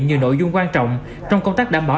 nhiều nội dung quan trọng trong công tác đảm bảo